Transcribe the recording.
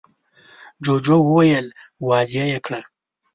جوجو وويل: واضح يې کړه!